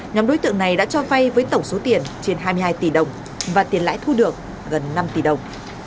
nhóm đối tượng này đã cho vay với tổng số tiền trên hai mươi hai tỷ đồng và tiền lãi thu được gần năm tỷ đồng